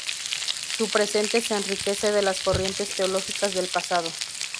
Su presente se enriquece de las corrientes teológicas del pasado.